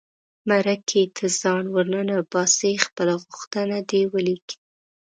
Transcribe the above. مرکې ته ځان ور ننباسي خپله غوښتنه دې ولیکي.